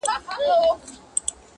o ښکاري و ویل که خدای کول داغه دی,